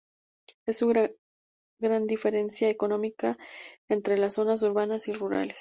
Es una gran diferencia económica entre las zonas urbanas y rurales.